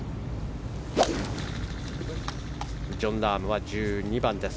ジョン・ラームは１２番です。